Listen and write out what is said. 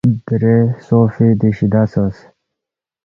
درے سوفیدی شِدیا سونگس